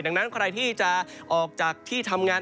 ดังนั้นใครที่จะออกจากที่ทำงาน